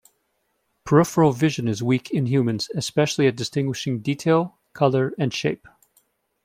Peripheral vision is weak in humans, especially at distinguishing detail, color, and shape.